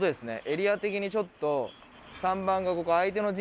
エリア的にちょっと。